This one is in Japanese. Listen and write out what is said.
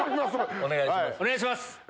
お願いします。